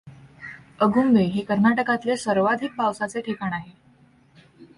अगुंबे हे कर्नाटकातले सर्वाधिक पावसाचे ठिकाण आहे.